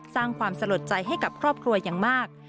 สร้างความสลดใจให้กับครอบครัวอย่างมาก